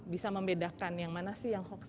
bisa membedakan yang mana sih yang hoax